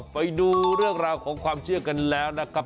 ไปดูเรื่องราวของความเชื่อกันแล้วนะครับ